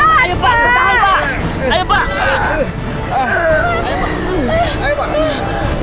gak apa apa pak